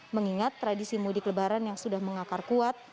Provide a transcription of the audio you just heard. mengingat tradisi mudik lebaran yang sudah mengakar kuat